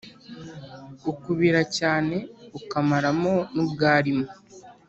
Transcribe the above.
Ukubira cyane ukamaramo n’ubwalimo.